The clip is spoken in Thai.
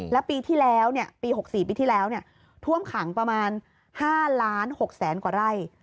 แล้วปีที่แล้วปี๖๔ปีที่แล้วท่วมขังประมาณ๕๖๐๐๐กว่าไร่